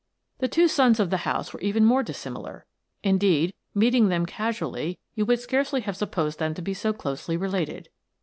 The two sons of the house were even more dis similar. Indeed, meeting them casually, you would scarcely have supposed them to be so closely re lated.